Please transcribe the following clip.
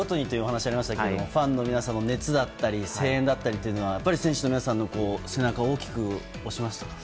試合ごとにというお話がありましたけれどファンの皆さんの熱だったり声援だったりというのはやっぱり選手の皆さんの背中を大きく押しましたか。